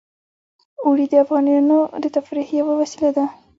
اوړي د افغانانو د تفریح یوه وسیله ده.